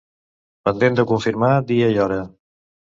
Pendent de confirmar dia i hora.